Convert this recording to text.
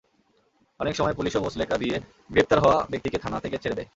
অনেক সময় পুলিশও মুচলেকা নিয়ে গ্রেপ্তার হওয়া ব্যক্তিকে থানা থেকে ছেড়ে দেয়।